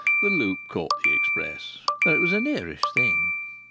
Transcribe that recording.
The Loop caught the express, though it was a nearish thing.